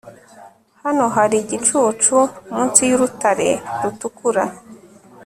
Hano hari igicucu munsi yurutare rutukura